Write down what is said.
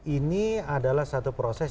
ini adalah satu proses